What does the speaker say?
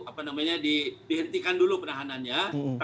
apa namanya dihentikan dulu penahanannya